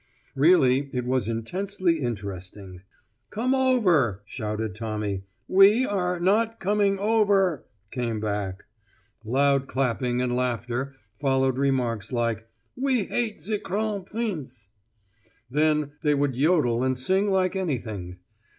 Really it was intensely interesting. 'Come over,' shouted Tommy. 'We are not coming over,' came back. Loud clapping and laughter followed remarks like 'We hate ze _Kron_prinz.' Then they would yodel and sing like anything.